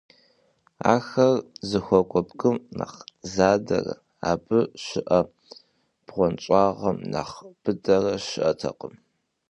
Ахэр зыхуэкӀуэ бгым нэхъ задэрэ абы щыӀэ бгъуэнщӀагъым нэхъ быдэрэ щыӀэтэкъым.